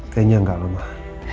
kayaknya tidak mak